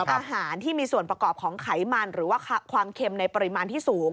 อาหารที่มีส่วนประกอบของไขมันหรือว่าความเค็มในปริมาณที่สูง